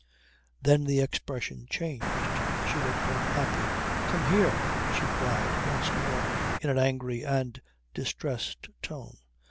Then the expression changed. She looked unhappy. "Come here!" she cried once more in an angry and distressed tone.